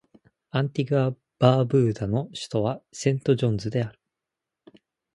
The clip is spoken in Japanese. アンティグア・バーブーダの首都はセントジョンズである